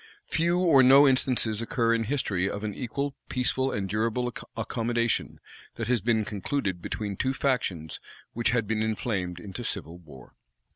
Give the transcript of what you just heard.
Few or no instances occur in history of an equal, peaceful, and durable accommodation that has been concluded between two factions which had been inflamed into civil war.